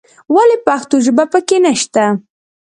ولې پښتو ژبه په کې نه شته.